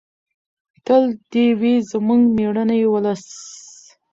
تل دې وي زموږ مېړنی ولس.